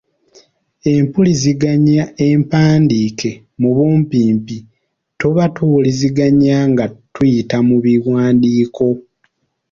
Empuliziganya empandiike mu bumpimpi tuba tuwuliziganya nga tuyita mu biwandiiko.